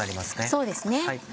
そうですね。